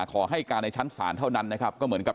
ขอให้การในชั้นสารเท่านั้นนะครับ